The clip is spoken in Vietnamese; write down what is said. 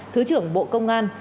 thứ trưởng bộ công an